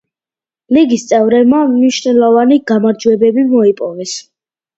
ლიგის წევრებმა მნიშვნელოვანი გამარჯვებები მოიპოვეს.